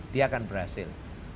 dia akan berhasil